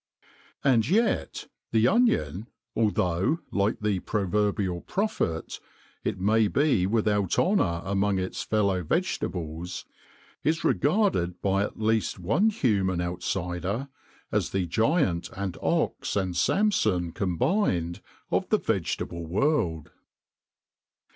And yet the Onion, although, like the proverbial Prophet, it may be without honor among its fellow vegetables, is regarded by at least one human outsider as the giant and ox and Samson combined of the vegetable world.